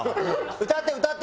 歌って歌って！